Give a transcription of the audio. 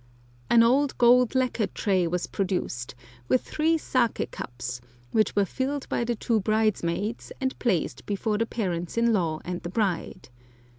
An old gold lacquer tray was produced, with three saké cups, which were filled by the two bridesmaids, and placed before the parents in law and the bride.